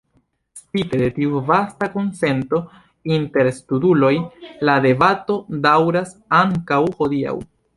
Spite de tiu vasta konsento inter studuloj, la debato daŭras ankaŭ hodiaŭ.